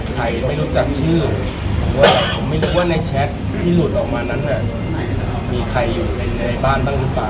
ใครไม่รู้จักชื่อผมว่าผมไม่นึกว่าในแชทที่หลุดออกมานั้นมีใครอยู่ในบ้านบ้างหรือเปล่า